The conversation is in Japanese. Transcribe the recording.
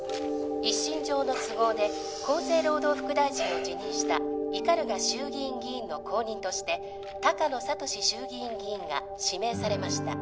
一身上の都合で厚生労働副大臣を辞任した斑鳩衆議院議員の後任として鷹野聡史衆議院議員が指名されました。